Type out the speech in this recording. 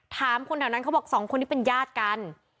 ถามคนแถวนั้นเขาบอกสองคนนี้เป็นญาติกัน